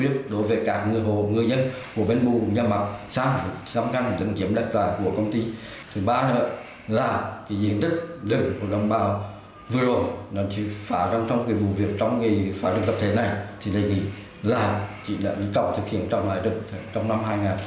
thì đây là chính lệnh tổ thực hiện trong năm hai nghìn một mươi bảy